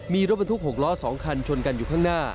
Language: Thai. มีรถบรรทุก๖ล้อ๒คันชนกันอยู่ข้างหน้า